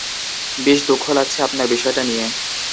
বেশ দুঃখ লাগছে আপনার ব্যাপারটা নিয়ে!